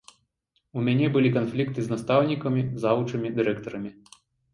У мяне былі канфлікты з настаўнікамі, завучамі, дырэктарамі.